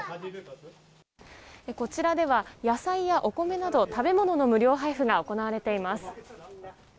こちらでは、野菜やお米など食べ物の無料配布が行われています。